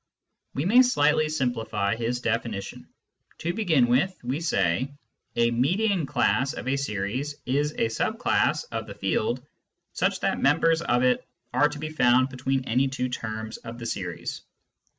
We may slightly simplify his definition. To begin with, we say : A " median class " of a series is a sub class of the field such that members of it are to be found between any two terms of the series.